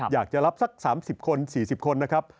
อยากจะรับสัก๓๐คน๔๐คนนะครับ